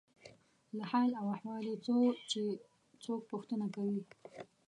له حال او احوال یې څو چې څوک پوښتنه کوي.